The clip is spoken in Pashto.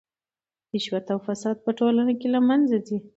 رشوت او فساد په ټولنه کې له منځه ځي.